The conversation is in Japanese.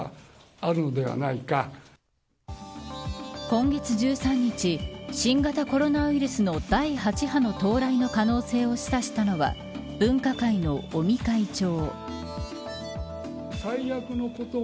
今月１３日新型コロナウイルスの第８波の到来の可能性を示唆したのは分科会の尾身会長。